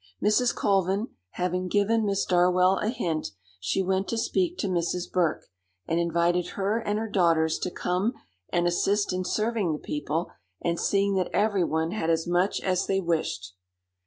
Mrs. Colvin having given Miss Darwell a hint, she went to speak to Mrs. Burke, and invited her and her daughters to come and assist in serving the people, and seeing that everyone had as much as they wished.